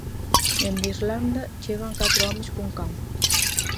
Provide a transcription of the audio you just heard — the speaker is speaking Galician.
Dende Irlanda chegan catro homes cun can.